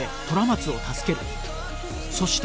そして